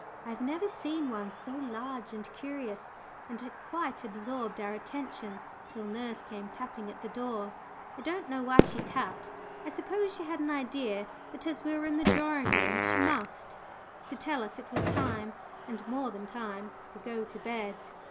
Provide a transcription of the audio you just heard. I have never seen one so large and curious, and it quite absorbed our attention till nurse came tapping at the door I don't know why she tapped; I suppose she had an idea that, as we were in the drawing room, she must to tell us it was time, and more than time, to go to bed.